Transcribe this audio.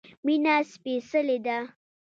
مينه سپيڅلی ده